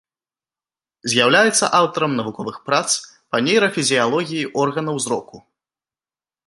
З'яўляецца аўтарам навуковых прац па нейрафізіялогіі органаў зроку.